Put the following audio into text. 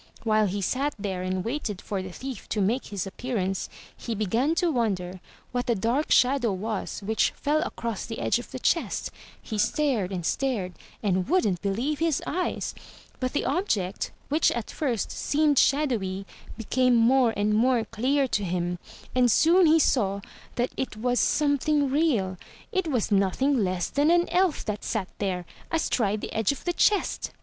While he sat there and waited for the thief to make his appearance, he began to wonder what the dark shadow was which fell across the edge of the chest. He stared and stared and wouldn't believe his eyes. But the object, which at first seemed shadowy, became more and more clear to him; and soon he saw that it was something real. It was nothing less than an elf that sat there — ^astride the edge of the chest!